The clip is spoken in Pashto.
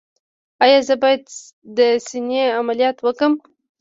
ایا زه باید د سینې عملیات وکړم؟